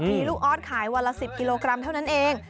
มีลูกออสขายวันละ๑๐กิโลกรัมเท่านั้นเอง